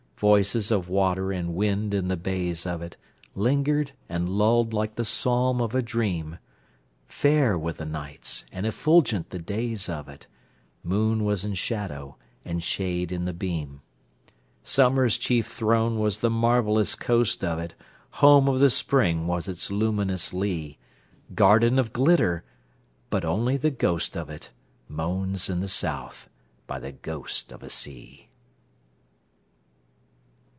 Voices of water and wind in the bays of itLingered, and lulled like the psalm of a dream. Fair were the nights and effulgent the days of it—Moon was in shadow and shade in the beam. Summer's chief throne was the marvellous coast of it, Home of the Spring was its luminous lea:Garden of glitter! but only the ghost of itMoans in the South by the ghost of a sea.